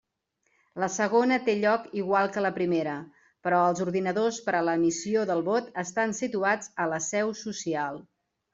La segona té lloc igual que la primera, però els ordinadors per a l'emissió del vot estan situats a la seu social.